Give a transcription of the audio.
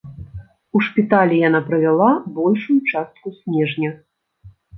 У шпіталі яна правяла большую частку снежня.